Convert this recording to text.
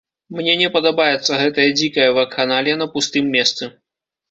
Мне не падабаецца гэтая дзікая вакханалія на пустым месцы.